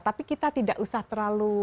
tapi kita tidak usah terlalu